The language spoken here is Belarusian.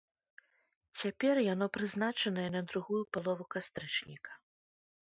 Цяпер яно прызначанае на другую палову кастрычніка.